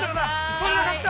取れなかった！